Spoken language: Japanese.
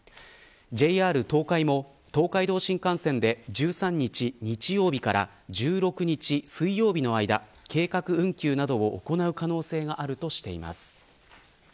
ＪＲ東海も、東海道新幹線で１３日日曜日から１６日水曜日の間計画運休などを行う可能性があるとしています。